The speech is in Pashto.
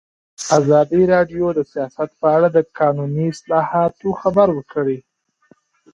ازادي راډیو د سیاست په اړه د قانوني اصلاحاتو خبر ورکړی.